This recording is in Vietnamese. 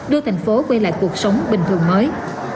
đưa thành phố quay lại cuộc sống bình thường mới